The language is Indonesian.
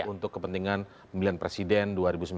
untuk kepentingan pemilihan presiden dua ribu sembilan belas